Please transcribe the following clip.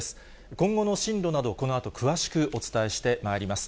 今後の進路など、このあと詳しくお伝えしてまいります。